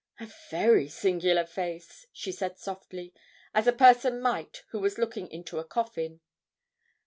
'A very singular face,' she said, softly, as a person might who was looking into a coffin.